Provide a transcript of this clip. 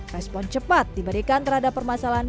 respon cepat diberikan terhadap permasalahan